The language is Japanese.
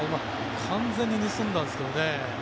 完全に盗んだんですがね。